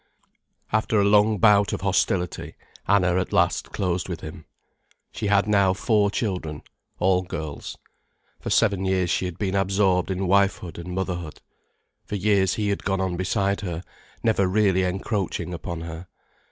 After a long bout of hostility, Anna at last closed with him. She had now four children, all girls. For seven years she had been absorbed in wifehood and motherhood. For years he had gone on beside her, never really encroaching upon her.